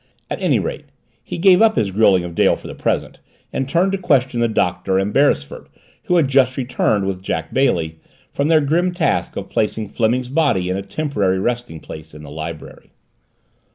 At any rate, he gave up his grilling of Dale for the present and turned to question the Doctor and Beresford who had just returned, with Jack Bailey, from their grim task of placing Fleming's body in a temporary resting place in the library.